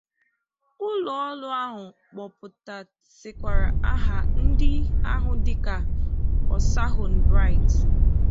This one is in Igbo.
Ụlọọrụ ahụ kpọpụtàsịkwàrà aha ndị ahụ dịka Osahon Bright